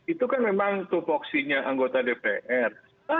itu kan memang tupoksinya anggota dpr